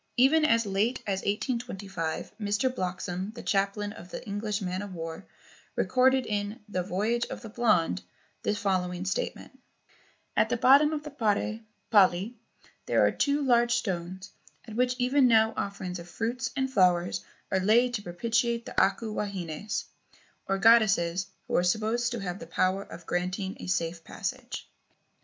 Even as late as 1825, Mr. Bloxam, the chaplain of the English man of war, recorded in "The Voyage of the Blonde" the following statement: "At the bottom of the Parre (pali) there are two large stones on which even now offerings of fruits and flowers are laid to propitiate the Aku wahines, or goddesses, who are supposed to have the power of granting a safe passage."